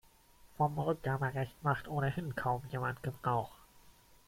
Vom Rückgaberecht macht ohnehin kaum jemand Gebrauch.